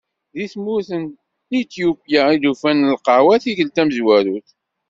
Deg tmurt n Ityupya i d-ufan lqahwa tikkelt tamezwarut.